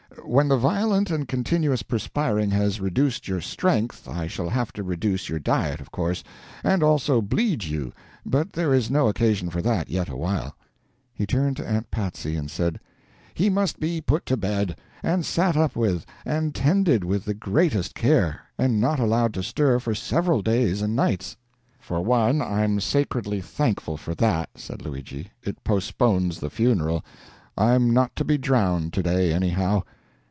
When the violent and continuous perspiring has reduced your strength, I shall have to reduce your diet, of course, and also bleed you, but there is no occasion for that yet awhile." He turned to Aunt Patsy and said: "He must be put to bed, and sat up with, and tended with the greatest care, and not allowed to stir for several days and nights." "For one, I'm sacredly thankful for that," said Luigi, "it postpones the funeral I'm not to be drowned to day, anyhow."